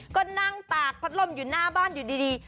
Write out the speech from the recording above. ก็นั่งตากพัดลมอยู่หน้าบ้านอยู่ดี